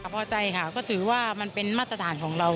พอใจค่ะก็ถือว่ามันเป็นมาตรฐานของเรา